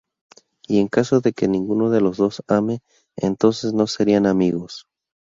Y en caso de que ninguno de los dos ame, entonces no serían amigos.